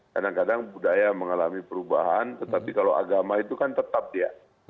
kadang kadang budaya mengalami perubahan tetapi kalau agama itu kan tetap dia